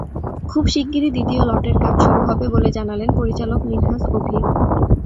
খুব শিগগিরই দ্বিতীয় লটের কাজ শুরু হবে বলে জানালেন পরিচালক মিনহাজ অভি।